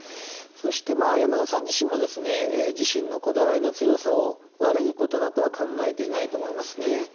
そしてまあ山田さん自身もですね自身のこだわりの強さを悪いことだとは考えていないと思いますね。